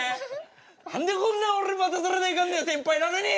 何でこんな俺待たされないかんねや先輩なのに！